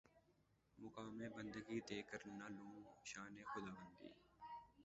مقام بندگی دے کر نہ لوں شان خداوندی